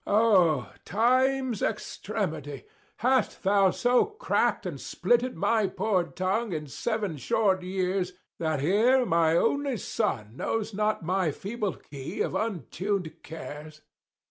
O time's extremity, Hast thou so crack'd and splitted my poor tongue In seven short years, that here my only son Knows not my feeble key of untuned cares?